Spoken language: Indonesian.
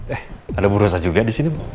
eh ada urwosa juga disini mbak